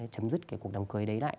chấm dứt cái cuộc đám cưới đấy lại